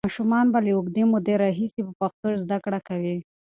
ماشومان به له اوږدې مودې راهیسې په پښتو زده کړه کوي.